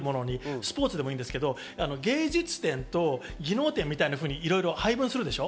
スポーツでもいいんですけど、芸術点とか技能点みたいに配分するでしょ？